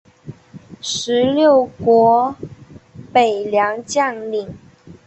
十六国北凉将领。